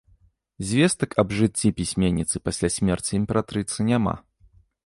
Звестак аб жыцці пісьменніцы пасля смерці імператрыцы няма.